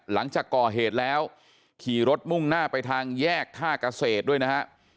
หลังจากก่อเหตุแล้วขี่รถมุ่งหน้าไปทางแยกท่าเกษตรด้วยนะฮะ